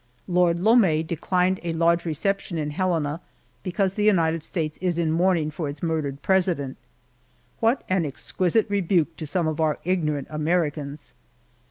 Lord Lome declined a large reception in Helena, because the United States is in mourning for its murdered President. What an exquisite rebuke to some of our ignorant Americans!